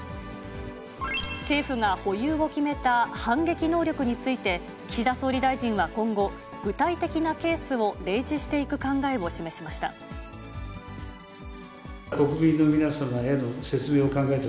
政府が保有を決めた反撃能力について、岸田総理大臣は今後、具体的なケースを例示していく考えを示しました。